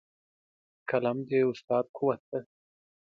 قلم د استاد قوت دی.